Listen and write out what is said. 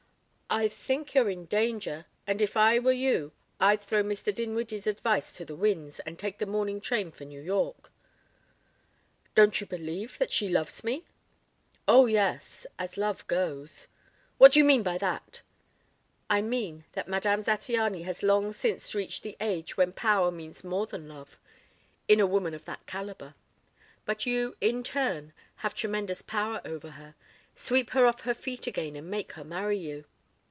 "I think you're in danger, and if I were you I'd throw Mr. Dinwiddie's advice to the winds and take the morning train for New York." "Don't you believe that she loves me?" "Oh, yes. As love goes." "What d'you mean by that?" "I mean that Madame Zattiany has long since reached the age when power means more than love in a woman of that calibre. But you, in turn, have tremendous power over her. Sweep her off her feet again and make her marry you."